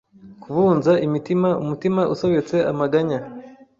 kubunza imitima, umutima usobetse amaganya